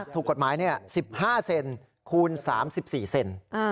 ถูกกฎหมาย๑๕เซนคูณ๓๔เซน